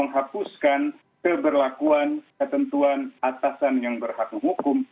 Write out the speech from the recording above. hapuskan keberlakuan ketentuan atasan yang berhak hukum